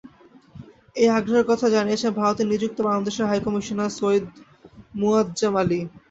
এই আগ্রহের কথা জানিয়েছেন ভারতে নিযুক্ত বাংলাদেশের হাইকমিশনার সৈয়দ মোয়াজ্জেম আলী।